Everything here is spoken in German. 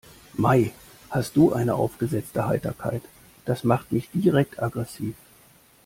Mei, hast du eine aufgesetzte Heiterkeit, das macht mich direkt aggressiv.